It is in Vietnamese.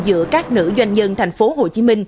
giữa các nữ doanh nhân tp hcm